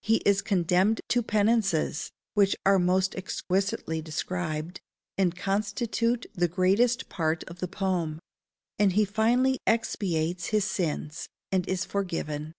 He is condemned to penances, which are most exquisitely described, and constitute the greater part of the poem; and he finally expiates his sins, and is forgiven.